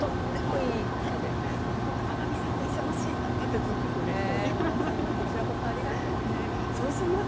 天海さんと一緒のシーンだったって、うれしそうでした。